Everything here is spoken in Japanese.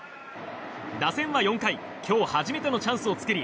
打線は４回今日初めてのチャンスを作り